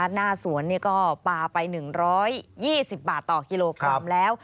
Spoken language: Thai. หน้าสวนก็ปลาไป๑๒๐บาทต่อกิโลกรัมแล้ว